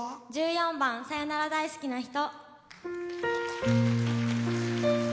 １４番「さよなら大好きな人」。